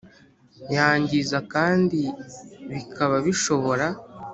yangiza kandi bikaba bishobora